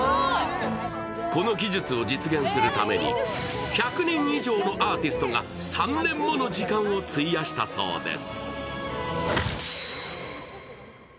この技術を実現するために１００人以上のアーティストが３年もの時間を費やしたそうです。